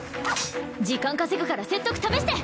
時間稼ぐから説得試して！